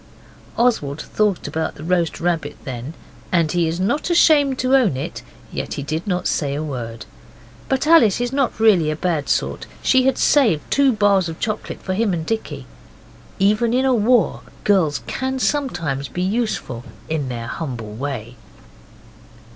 Oswald thought about the roast rabbit then and he is not ashamed to own it yet he did not say a word. But Alice is really not a bad sort. She had saved two bars of chocolate for him and Dicky. Even in war girls can sometimes be useful in their humble way.